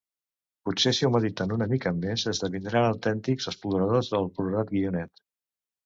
Potser si ho mediten una mica més esdevindran autèntics exploradors del plorat guionet.